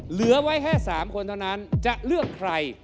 เหลือไว้แค่๓คนเท่านั้นจะเลือกใคร